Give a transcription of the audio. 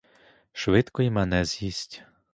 Швидко й мене з'їсть.